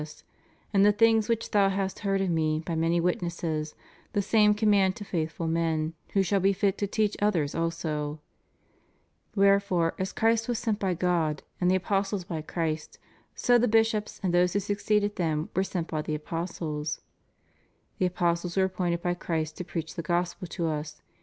Thou, therefore, my son, he strong in the grace which is in Christ JesiLs: and the things which thou hast heard of me by many witnesses, the same command to faithful men, who shall be fit to teach others also? Wherefore, as Christ was sent by God and the apostles by Christ, so the bishops and those who succeeded them were sent by the apostles. "The apostles were appointed by Christ to preach the Gospel to us.